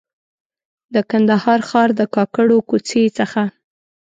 د کندهار ښار د کاکړو کوڅې څخه.